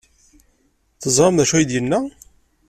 Teẓram d acu ay d-yenna?